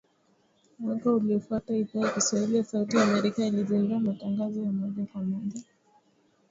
Mwaka uliofuata Idhaa ya Kiswahili ya Sauti ya Amerika ilizindua matangazo ya moja kwa moja